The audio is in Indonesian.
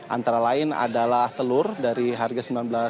antara lain adalah telur dari harga sembilan belas